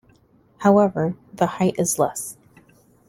However, the height is less.